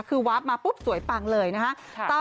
คือวาบมาปุ๊บสวยปังเลยนะฮะ